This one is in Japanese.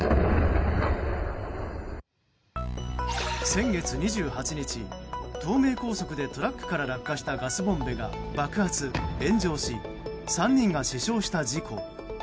先月２８日、東名高速でトラックから落下したガスボンベが爆発・炎上し３人が死傷した事故。